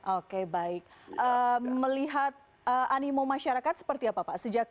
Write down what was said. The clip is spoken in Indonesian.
oke baik melihat animo masyarakat seperti apa pak